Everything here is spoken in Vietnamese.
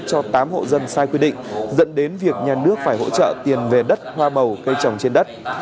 cho tám hộ dân sai quy định dẫn đến việc nhà nước phải hỗ trợ tiền về đất hoa màu cây trồng trên đất